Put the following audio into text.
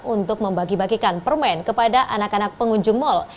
untuk membagi bagikan permen kepada anak anak pengunjung mal